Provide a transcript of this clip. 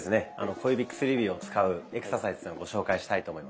小指・薬指を使うエクササイズのご紹介したいと思います。